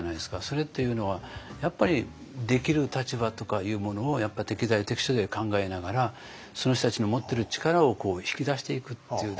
それっていうのはやっぱりできる立場とかいうものをやっぱ適材適所で考えながらその人たちの持ってる力を引き出していくっていう。